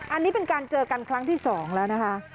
อันนี้เป็นการเจอกันครั้งที่๒แล้วนะคะ